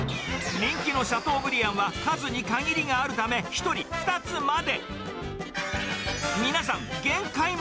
人気のシャトーブリアンは、数に限りがあるため、１人２つまで。